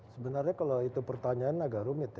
sebenarnya kalau itu pertanyaan agak rumit ya